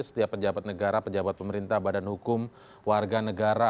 setiap pejabat negara pejabat pemerintah badan hukum warga negara